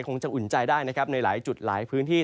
คงจะอุ่นใจได้นะครับในหลายจุดหลายพื้นที่